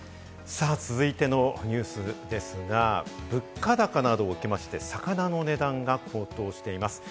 続いてのニュースですが、物価高などを受けまして、魚の値段が高騰しています。